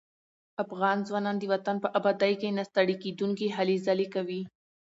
افغان ځوانان د وطن په ابادۍ کې نه ستړي کېدونکي هلې ځلې کوي.